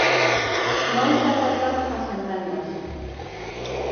Non se aceptan as emendas.